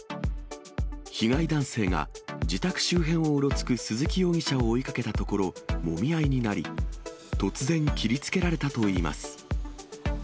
被害男性が、自宅周辺をうろつく鈴木容疑者を追いかけたところ、もみ合いになり、突然、切りつけられたといいます。